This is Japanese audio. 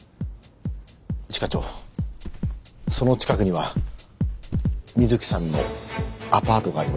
一課長その近くには美月さんのアパートがあります。